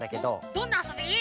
どんなあそび？